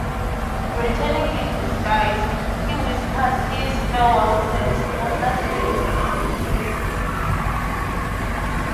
Returning in disguise, he whispers his farewells and smothers Betty with a pillow.